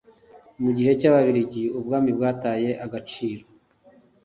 ku gihe cy'ababiligi ubwami bwataye agaciro